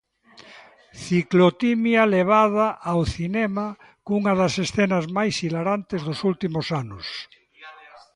Ciclotimia levada ao cinema cunha das escenas máis hilarantes dos últimos anos.